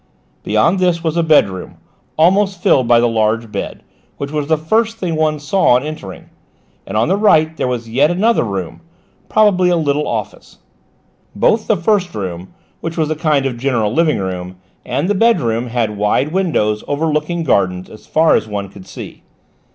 Beyond this was a bedroom, almost filled by the large bed, which was the first thing one saw on entering, and on the right there was yet another room, probably a little office. Both the first room, which was a kind of general living room, and the bedroom had wide windows overlooking gardens as far as one could see.